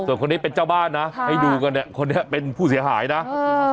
ส่วนคนนี้เป็นเจ้าบ้านนะให้ดูกันเนี่ยคนนี้เป็นผู้เสียหายนะเออ